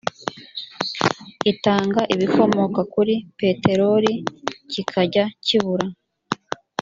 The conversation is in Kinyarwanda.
itanga ibikomoka kuri peteroli kitajya kibura